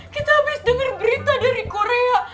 kita abis denger berita dari korea